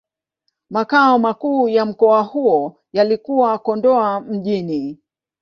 Makao makuu ya mkoa huo yalikuwa Kondoa Mjini.